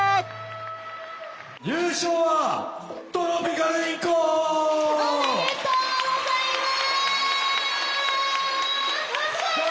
優勝はおめでとうございます！